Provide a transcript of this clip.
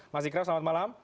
mas ikram selamat malam